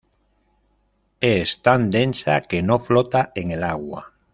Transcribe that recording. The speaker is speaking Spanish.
Es tan densa que no flota en el agua.